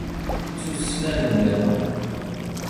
D tussna n ugama.